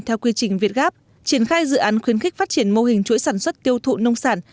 theo quy trình việt gáp triển khai dự án khuyến khích phát triển mô hình chuỗi sản xuất tiêu thụ nông sản